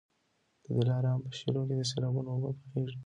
د دلارام په شېلو کي د سېلابونو اوبه بهیږي.